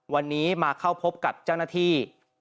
วันนี้มาเข้าพบกับเจ้าหน้าที่